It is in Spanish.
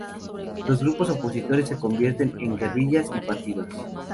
Los grupos opositores se convirtieron en guerrillas y partidos.